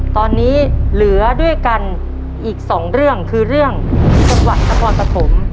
ตอนนี้เหลือด้วยกันอีกสองเรื่องคือเรื่องจังหวัดนครปฐม